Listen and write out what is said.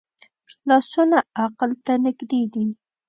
لاسونه عقل ته نږدې دي